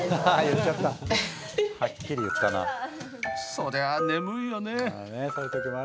そりゃ眠いよね。